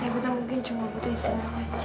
tapi mungkin cuma butuh istrinya aja